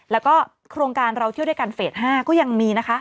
แล้วก็โครงการเราเที่ยวด้วยกันเฟส๕ก็ยังมีนะคะ